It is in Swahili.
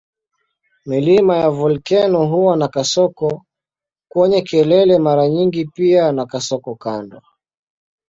Milima ya volkeno huwa na kasoko kwenye kelele mara nyingi pia na kasoko kando.